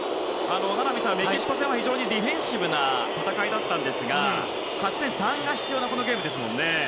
名波さん、メキシコ戦は非常にディフェンシブな戦いだったんですが、勝ち点３が必要なゲームですからね。